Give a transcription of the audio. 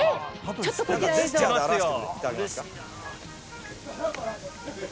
ちょっとこちらですよ。